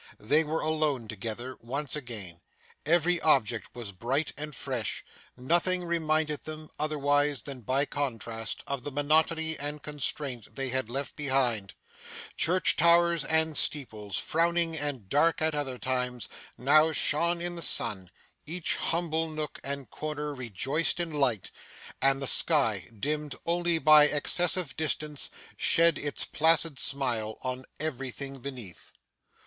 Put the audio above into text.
They were alone together, once again; every object was bright and fresh; nothing reminded them, otherwise than by contrast, of the monotony and constraint they had left behind; church towers and steeples, frowning and dark at other times, now shone in the sun; each humble nook and corner rejoiced in light; and the sky, dimmed only by excessive distance, shed its placid smile on everything beneath.